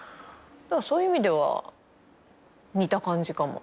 そういう意味では似た感じかも。